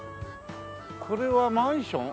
これはマンション？